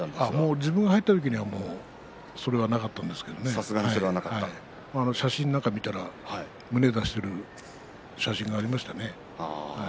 自分が入った時にはもうそれはなかったんですが写真なんかを見ると胸を出している写真がありました。